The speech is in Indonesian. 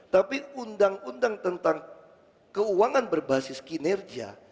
tapi undang undang tentang keuangan berbasis kinerja